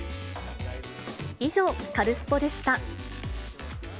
以上、カルスポっ！でした。